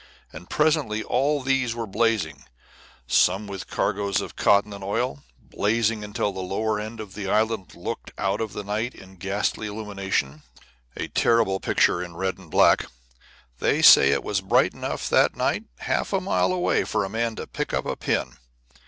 And presently all these were blazing, some with cargoes of cotton and oil, blazing until the lower end of the island looked out of the night in ghastly illumination, a terrible picture in red and black. They say it was bright enough that night half a mile away for a man to pick up a pin.